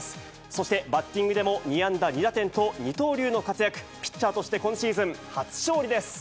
そしてバッティングでも２安打２打点と二刀流の活躍、ピッチャーとして今シーズン初勝利です。